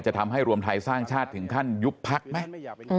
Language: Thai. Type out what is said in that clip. ทำให้รวมไทยสร้างชาติถึงขั้นยุบพักไหม